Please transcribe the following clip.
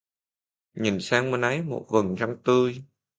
Nhìn sang bên ấy một vầng trăng tươi.